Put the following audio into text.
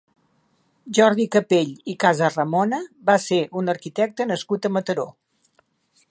Jordi Capell i Casaramona va ser un arquitecte nascut a Mataró.